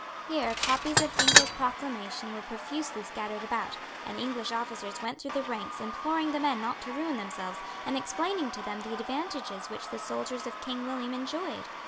Here copies of Ginkell's proclamation were profusely scattered about; and English officers went through the ranks imploring the men not to ruin themselves, and explaining to them the advantages which the soldiers of King William enjoyed.